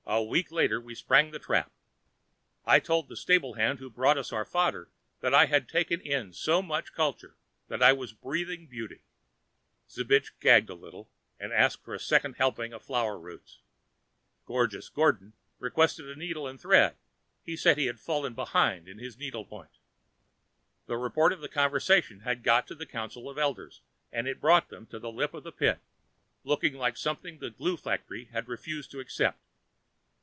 A week later, we sprang the trap. I told the stablehand who brought us our fodder that I had taken in so much culture that I was breathing beauty. Zbich, gagging a little, asked for a second helping of flower roots. Gorgeous Gordon requested a needle and thread; he said he had fallen behind in his needlepoint. A report of the conversation got to the council of elders and it brought them to the lip of the pit, looking like something the glue factory had refused to accept.